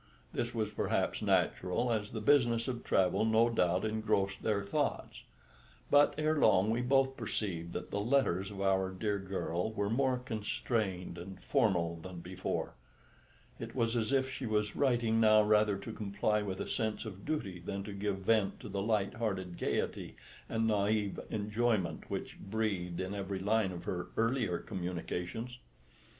This was perhaps natural, as the business of travel no doubt engrossed their thoughts. But ere long we both perceived that the letters of our dear girl were more constrained and formal than before. It was as if she was writing now rather to comply with a sense of duty than to give vent to the light hearted gaiety and naïve enjoyment which breathed in every line of her earlier communications.